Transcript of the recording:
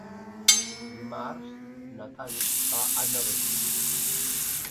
Dimarts na Tanit va a Navès.